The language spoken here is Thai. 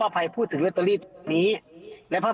ทนายเกิดผลครับ